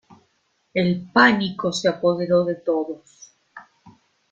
El pánico se apoderó de todos.